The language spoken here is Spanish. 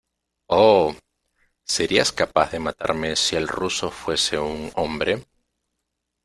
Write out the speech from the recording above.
¡ oh!... ¿ serías capaz de matarme si el ruso fuese un hombre?